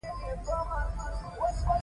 پېغله له کوره راووته غوږونه سپین وو.